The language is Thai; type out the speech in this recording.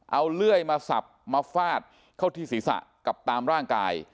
เอาเลื่อยมาสับมาฟาดเข้าที่ศีรษะกับตามร่างกาย